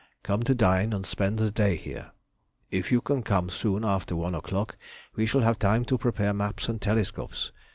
Come to dine and spend the day here. If you can come soon after one o'clock we shall have time to prepare maps and telescopes.